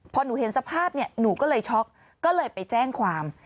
พอหนูเห็นสภาพเนี่ยหนูก็เลยช็อกก็เลยไปแจ้งความ